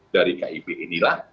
dari kib inilah